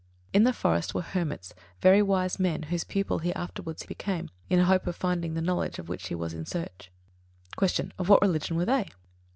In the forests were hermits very wise men, whose pupil he afterwards became, in the hope of finding the knowledge of which he was in search. 48. Q. _Of what religion were they?